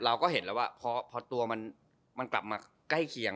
เราก็เห็นแล้วว่าพอตัวมันกลับมาใกล้เคียง